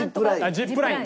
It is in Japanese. ジップライン？